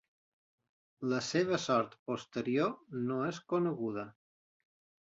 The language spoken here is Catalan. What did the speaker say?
La seva sort posterior no és coneguda.